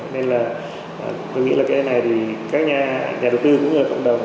nên là tôi nghĩ là cái này thì các nhà đầu tư cũng như cộng đồng